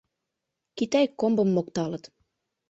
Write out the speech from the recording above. Китай комбым мокталыт.